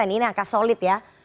ini agak solid ya